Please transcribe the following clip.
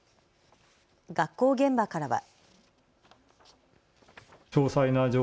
学校現場からは。